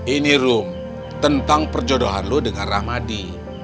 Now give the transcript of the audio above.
ini rom tentang perjodohan lu dengan rahmadi